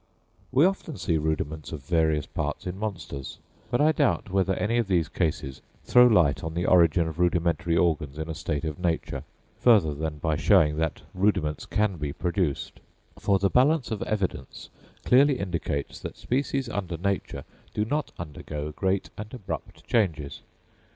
We often see rudiments of various parts in monsters; but I doubt whether any of these cases throw light on the origin of rudimentary organs in a state of nature, further than by showing that rudiments can be produced; for the balance of evidence clearly indicates that species under nature do not undergo great and abrupt changes.